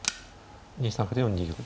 ２三歩で４二玉。